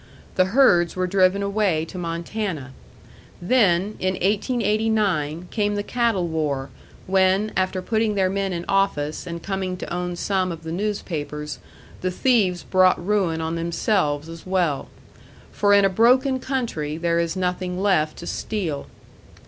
The herds were driven away to Montana. Then, in 1889, came the cattle war, when, after putting their men in office, and coming to own some of the newspapers, the thieves brought ruin on themselves as well. For in a broken country there is nothing left to steal.